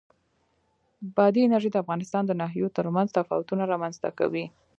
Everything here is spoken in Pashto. بادي انرژي د افغانستان د ناحیو ترمنځ تفاوتونه رامنځ ته کوي.